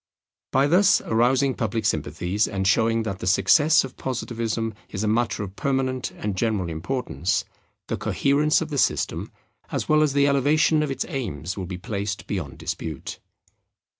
By thus arousing public sympathies and showing that the success of Positivism is a matter of permanent and general importance, the coherence of the system as well as the elevation of its aims will be placed beyond dispute.